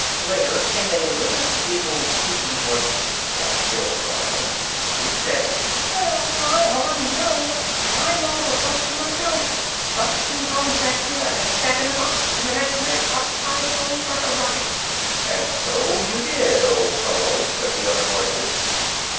Last came a little feeble squeaking voice, ("that's Bill" thought Alice,) which said "well, I hardly know I'm all of a fluster myself something comes at me like a Jack in the box, and the next minute up I goes like a rocket!" "And so you did, old fellow!" said the other voices.